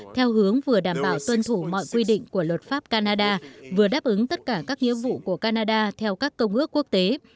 theo hướng vừa đảm bảo tuân thủ mọi quy định của luật pháp canada vừa đáp ứng tất cả các nghĩa vụ của canada theo các công ước quốc tế